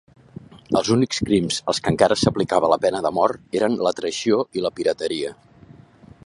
Els únics crims als que encara s'aplicava la pena de mort eren la traïció i la pirateria.